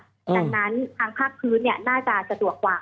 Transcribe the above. ดังนั้นทางภาคพื้นน่าจะสะดวกกว่า